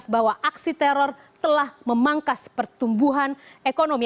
bahwa aksi teror telah memangkas pertumbuhan ekonomi